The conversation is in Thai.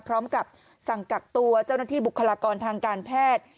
พร้อมกับสั่งกักตัวเจ้าหน้าที่บุคลากรทางการแพทย์